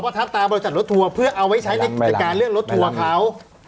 ทับตาบริษัทรถทัวร์เพื่อเอาไว้ใช้ในการเลื่อนรถทัวร์เขา